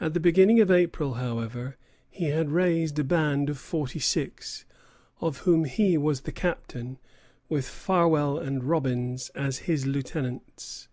At the middle of April, however, he had raised a band of forty six, of whom he was the captain, with Farwell and Robbins as his lieutenants.